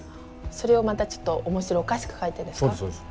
それをまたちょっと面白おかしく書いてるんですか？